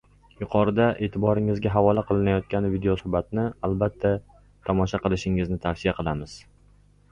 Yuqorida eʼtiboringizga havola qilinayotgan videosuhbatni, albatta, tomosha qilishingizni tavsiya qilamiz.